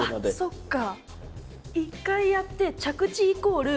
そっか。